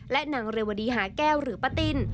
และนางเรวดีหาแก้วหรือป้าติ้น